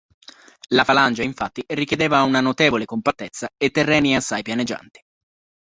La falange, infatti, richiedeva una notevole compattezza e terreni assai pianeggianti.